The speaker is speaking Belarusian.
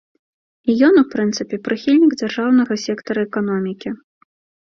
І ён у прынцыпе прыхільнік дзяржаўнага сектара эканомікі.